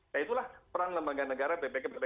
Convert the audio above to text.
nah itulah peran lembaga negara bpkpbkp untuk itu